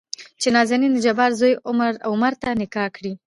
چې نازنين دجبار زوى عمر ته نکاح کړي.